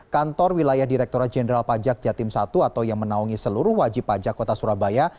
kantor wilayah direkturat jenderal pajak jatim i atau yang menaungi seluruh wajib pajak kota surabaya